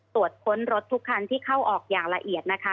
ตรวจค้นรถทุกคันที่เข้าออกอย่างละเอียดนะคะ